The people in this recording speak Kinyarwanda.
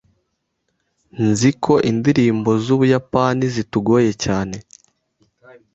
Nzi ko indirimbo z'Ubuyapani zitugoye cyane.